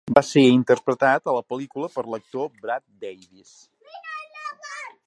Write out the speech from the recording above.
Va ser interpretat a la pel·lícula per l'actor Brad Davis.